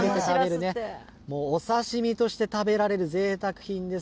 お刺身として食べられるぜいたく品です。